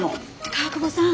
川久保さん